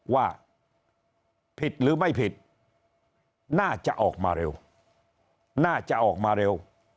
ว่าผิดหรือไม่ผิดน่าจะออกมาเร็วน่าจะออกมาเร็ว